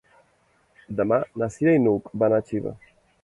Demà na Cira i n'Hug van a Xiva.